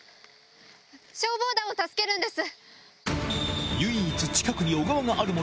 消防団を助けるんです。